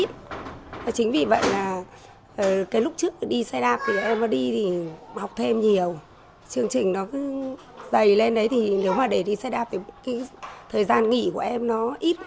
thời gian nghỉ của em nó ít